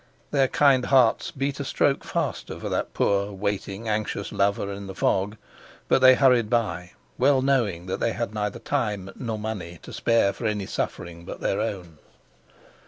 Their kind hearts beat a stroke faster for that poor, waiting, anxious lover in the fog; but they hurried by, well knowing that they had neither time nor money to spare for any suffering but their own.